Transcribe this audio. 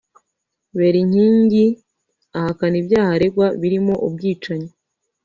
Berinkindi ahakana ibyaha aregwa birimo ubwicanyi